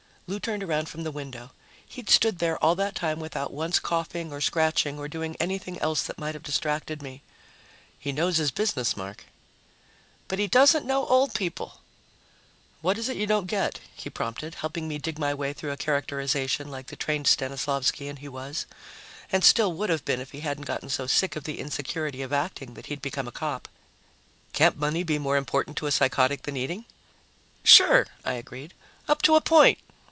Lou turned around from the window. He'd stood there all that time without once coughing or scratching or doing anything else that might have distracted me. "He knows his business, Mark." "But he doesn't know old people." "What is it you don't get?" he prompted, helping me dig my way through a characterization like the trained Stanislavskian he was and still would have been if he hadn't gotten so sick of the insecurity of acting that he'd become a cop. "Can't money be more important to a psychotic than eating?" "Sure," I agreed. "Up to a point.